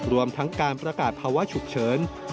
รวมทั้งการประกาศภาวะฉุกเฉิน